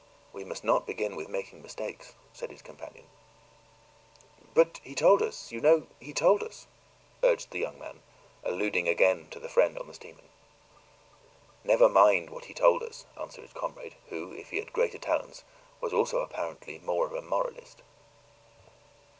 "We must not begin with making mistakes," said his companion. "But he told us, you know he told us," urged the young man, alluding again to the friend on the steamer. "Never mind what he told us!" answered his comrade, who, if he had greater talents, was also apparently more of a moralist.